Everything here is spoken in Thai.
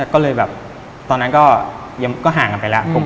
ก็เลยแบบตอนนั้นก็ห่างกันไปแล้ว